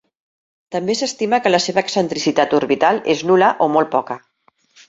També s'estima que la seva excentricitat orbital és nul·la o molt poca.